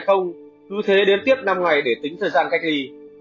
cứ thế đến tiếp năm ngày để tính thời gian cách ly